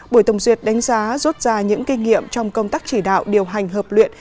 buổi tổng duyệt đánh giá rút ra những kinh nghiệm trong công tác chỉ đạo điều hành hợp luyện